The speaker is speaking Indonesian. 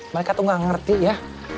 mereka tuh gak ngerti ya